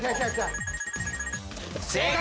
正解！